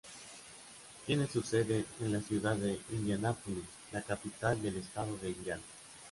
Tiene su sede en la ciudad de Indianápolis, la capital del estado de Indiana.